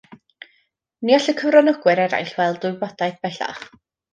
Ni all y cyfranogwyr eraill weld y wybodaeth bellach